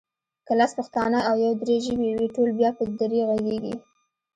که لس پښتانه او يو دري ژبی وي ټول بیا په دري غږېږي